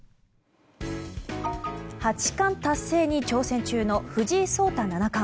八冠達成に挑戦中の藤井聡太七冠。